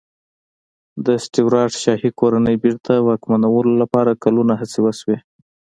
د سټیوراټ شاهي کورنۍ بېرته واکمنولو لپاره کلونه هڅې وشوې.